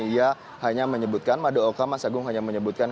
ia hanya menyebutkan madaoka mas agung hanya menyebutkan